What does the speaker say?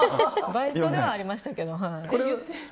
バイトではありましたけど。